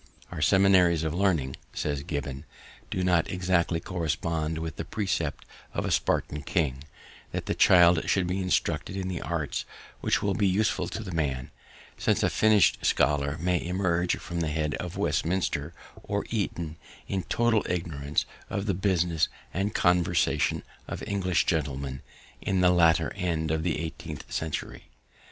"'Our seminaries of learning,' says Gibbon, 'do not exactly correspond with the precept of a Spartan king, that the child should be instructed in the arts which will be useful to the man; since a finished scholar may emerge from the head of Westminster or Eton, in total ignorance of the business and conversation of English gentlemen in the latter end of the eighteenth century.